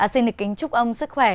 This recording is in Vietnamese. xin được kính chúc ông sức khỏe